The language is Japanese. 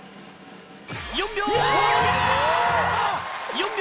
４秒！